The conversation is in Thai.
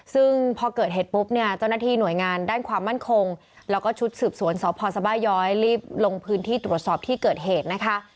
ซึ่งพอเกิดเหตุปุ๊บเนี่ยเจ้าหน้าที่หน่วยงานด้านความมั่นคงแล้วก็ชุดสืบสวนสพสบาย้อยรีบลงพื้นที่ตรวจสอบที่เกิดเหตุนะคะ